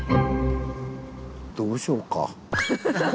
どうしようか？